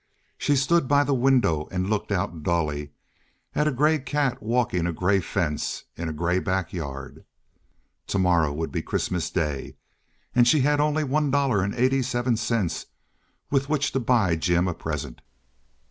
She stood by the window and looked out dully at a grey cat walking a grey fence in a grey backyard. Tomorrow would be Christmas Day, and she had only $1.87 with which to buy Jim a present.